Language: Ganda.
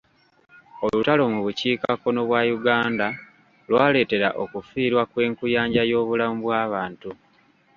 Olutalo mu bukiika kkono bwa Uganda lwaleetera okufiirwa kw'enkuyanja y'obulamu bw'abantu.